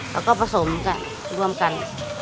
แล้วก็ผสมกันร่วมกัน